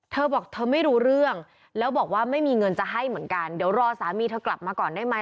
เธอบอกเธอไม่รู้เรื่องแล้วบอกว่าไม่มีเงินจะให้เหมือนกันเดี๋ยวรอสามีเธอกลับมาก่อนได้ไหม